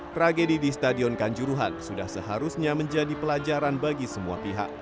tragedi di stadion kanjuruhan sudah seharusnya menjadi pelajaran bagi semua pihak